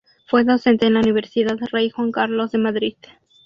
Fue docente en la Universidad Rey Juan Carlos de Madrid.